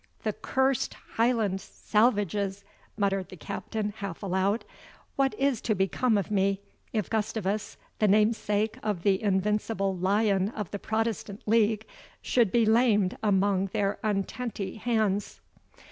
"The cursed Highland salvages!" muttered the Captain, half aloud; "what is to become of me, if Gustavus, the namesake of the invincible Lion of the Protestant League, should be lamed among their untenty hands!"